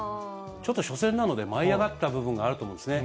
ちょっと初戦なので舞い上がった部分があると思うんですね。